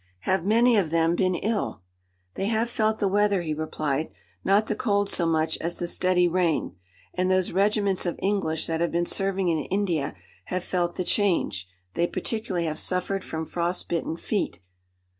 "Have many of them been ill?" "They have felt the weather," he replied; "not the cold so much as the steady rain. And those regiments of English that have been serving in India have felt the change. They particularly have suffered from frostbitten feet."